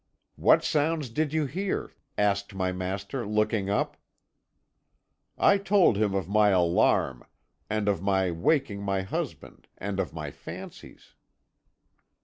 "'What sounds did you hear?' asked my master, looking up. "I told him of my alarm, and of my waking my husband, and of my fancies.